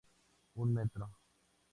Un metro.